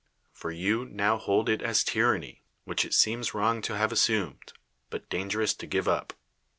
For you now hold it as a tyranny, which it seems W'rong to have assumed, but dangerous to give up.